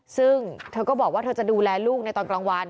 ซึ่งเธอก็บอกว่าเธอจะดูแลลูกในตอนกลางวัน